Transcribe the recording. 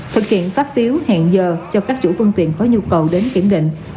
thực hiện phát phiếu hẹn giờ cho các chủ phương tiện có nhu cầu đến kiểm định